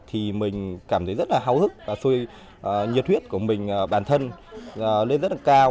thì mình cảm thấy rất là hào hức và xuôi nhiệt huyết của mình bản thân lên rất là cao